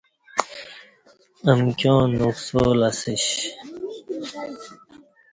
امکیوں نکسالہ سیش